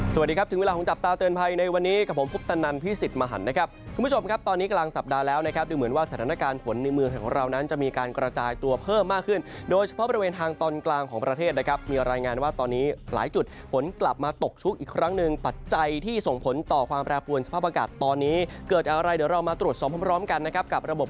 สวัสดีครับจึงเวลาของจับตาเตือนภัยในวันนี้กับผมพุทธนันทร์พี่สิทธิ์มหันนะครับคุณผู้ชมครับตอนนี้กลางสัปดาห์แล้วนะครับดูเหมือนว่าสถานการณ์ฝนในเมืองของเรานั้นจะมีการกระจายตัวเพิ่มมากขึ้นโดยเฉพาะบริเวณทางตอนกลางของประเทศนะครับมีรายงานว่าตอนนี้หลายจุดฝนกลับมาตกชุกอีกครั้